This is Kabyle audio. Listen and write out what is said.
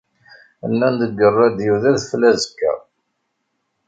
Nnan-d deg rradyu d adfel azekka.